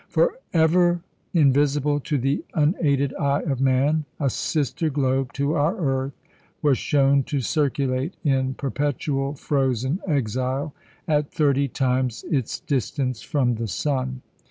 For ever invisible to the unaided eye of man, a sister globe to our earth was shown to circulate, in perpetual frozen exile, at thirty times its distance from the sun.